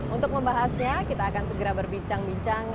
untuk membahasnya kita akan segera berbincang bincang